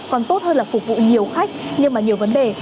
còn tốt hơn là phục vụ nhiều khách nhưng mà nhiều vấn đề